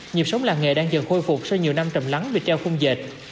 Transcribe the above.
nhịp sống làng nghề đang dần khôi phục sau nhiều năm trầm lắng vì treo khung dệt